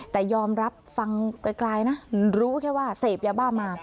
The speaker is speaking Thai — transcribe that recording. แต่ยอมรับฟังไกลนะรู้แค่ว่าเสพยาบ้ามา